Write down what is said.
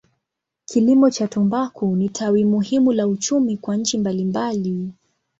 Kilimo cha tumbaku ni tawi muhimu la uchumi kwa nchi mbalimbali.